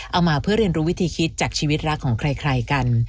เอามาเพื่อเรียนรู้วิธีคิดจากชีวิตรักของใครกัน